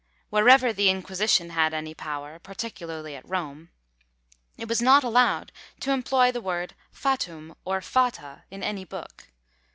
Wherever the Inquisition had any power, particularly at Rome, it was not allowed to employ the word fatum, or fata, in any book.